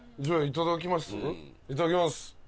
いただきます！